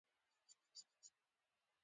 له دوی څخه په مختلفو مواردو کې استفاده کیږي.